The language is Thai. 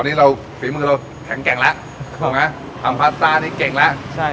ตอนนี้ฝีมือเราแข็งแก่งแล้วผมนะทำพาสต้านี่เก่งแล้ว